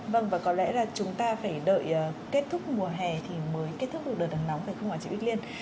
vâng và có lẽ là chúng ta phải đợi kết thúc mùa hè thì mới kết thúc được đợt nắng nóng phải không ạ chị bích liên